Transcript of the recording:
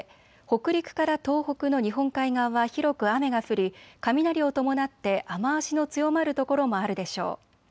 北陸から東北の日本海側は広く雨が降り雷を伴って雨足の強まる所もあるでしょう。